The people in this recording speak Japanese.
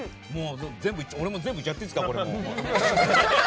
俺も全部いっちゃっていいですか？